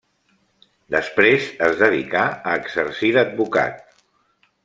Després es dedicà a exercir d'advocat.